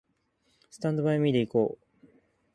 スタンドバイミーで行こう